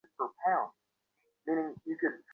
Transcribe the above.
ঠিক আছে, আচার আবার শুরু করব।